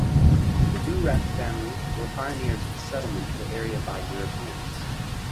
The Durack family were pioneers in the settlement of the area by Europeans.